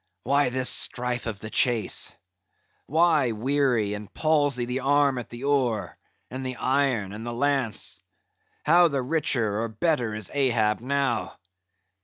Why this strife of the chase? why weary, and palsy the arm at the oar, and the iron, and the lance? how the richer or better is Ahab now?